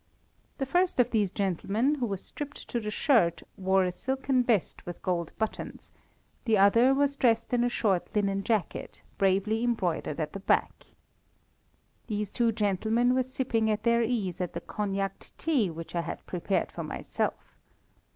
The first of these gentlemen, who was stripped to the shirt, wore a silken vest with gold buttons; the other was dressed in a short linen jacket, bravely embroidered at the back. These two gentlemen were sipping at their ease the cognaced tea which I had prepared for myself.